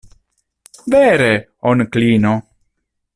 Vere, onklino.